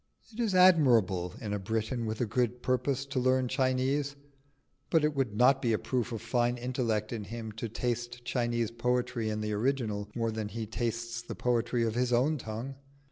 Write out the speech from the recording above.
It is admirable in a Briton with a good purpose to learn Chinese, but it would not be a proof of fine intellect in him to taste Chinese poetry in the original more than he tastes the poetry of his own tongue.